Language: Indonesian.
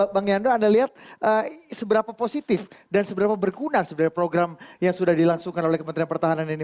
bang yando anda lihat seberapa positif dan seberapa berguna sebenarnya program yang sudah dilangsungkan oleh kementerian pertahanan ini